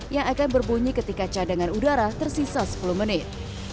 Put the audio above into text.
yang akan berbunyi ketika cadangan udara tersisa sepuluh menit